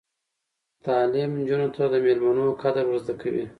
تعلیم نجونو ته د میلمنو قدر ور زده کوي.